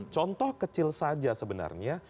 contoh kecil saja sebenarnya